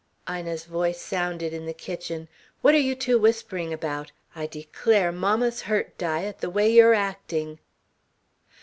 Ina's voice sounded in the kitchen. "What are you two whispering about? I declare, mamma's hurt, Di, at the way you're acting...."